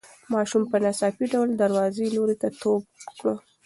ماشوم په ناڅاپي ډول د دروازې لوري ته ټوپ کړ.